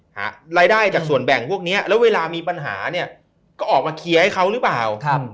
หารายได้จากส่วนแบ่งพวกนี้แล้วเวลามีปัญหาเนี่ยก็ออกมาเคลียร์ให้เขาหรือเปล่า